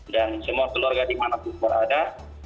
dan semua keluarga dimanapun pun ada